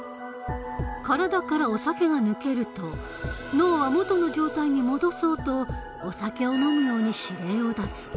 体からお酒が抜けると脳は元の状態に戻そうとお酒を飲むように指令を出す。